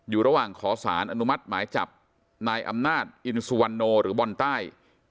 อยู่ระหว่างขอสารอนุมัติหมายจับนายอำนาจอินสุวรรณโนหรือบอลใต้